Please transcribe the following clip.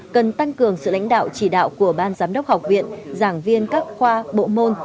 cần tăng cường sự lãnh đạo chỉ đạo của ban giám đốc học viện giảng viên các khoa bộ môn